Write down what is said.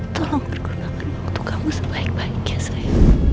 tolong bergunakan untuk kamu sebaik baik ya sayang